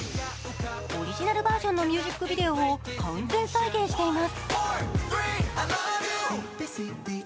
オリジナルバージョンのミュージックビデオを完全再現しています。